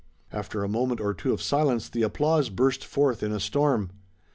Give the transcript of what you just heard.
After a moment or two of silence the applause burst forth in a storm.